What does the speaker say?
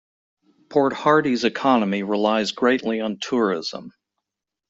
Port Hardy's economy relies greatly on tourism.